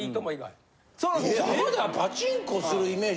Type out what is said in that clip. えっ浜田パチンコするイメージ